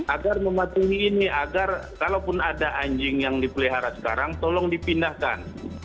agar mematuhi ini agar kalaupun ada anjing yang dipelihara sekarang tolong dipindahkan